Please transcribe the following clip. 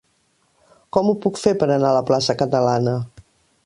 Com ho puc fer per anar a la plaça Catalana?